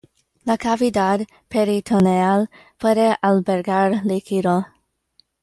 La cavidad peritoneal puede albergar líquido.